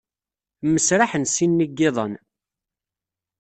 Mmesraḥen sin-nni n yiḍan.